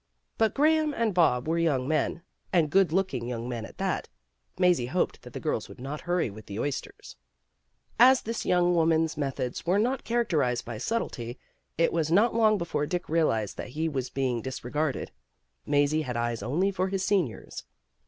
But Graham and Bob were young men, and good looking young men at that. Mazie hoped that the girls would not hurry with the oysters. As this young woman's methods were not characterized by subtlety, it was not long be fore Dick realized that he was being disre garded. Mazie had eyes only for his seniors.